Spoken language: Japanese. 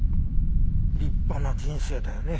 立派な人生だよね。